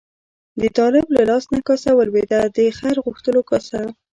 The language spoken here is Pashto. د طالب له لاس نه کاسه ولوېده، د خیر غوښتلو کاسه.